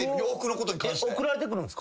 送られてくるんすか？